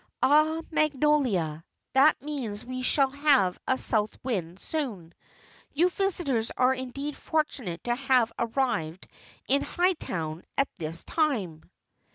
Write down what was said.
"Ah, magnolia! That means we shall have a south wind soon. You visitors are indeed fortunate to have arrived in Hightown at this time."